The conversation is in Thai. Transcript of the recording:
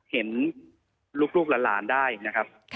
เห็นลูกหลานได้นะครับ